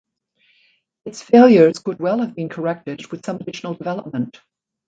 Its failures could well have been corrected with some additional development.